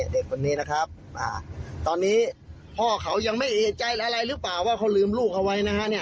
เด็กคนนี้นะครับตอนนี้พ่อเขายังไม่เอกใจอะไรหรือเปล่าว่าเขาลืมลูกเอาไว้นะฮะ